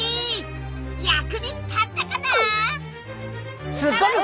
役に立ったかな？